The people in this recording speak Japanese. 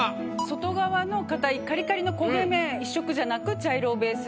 外側の硬いカリカリの焦げ目１色じゃなく。